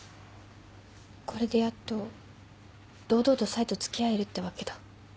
これでやっと堂々と冴と付き合えるってわけだ。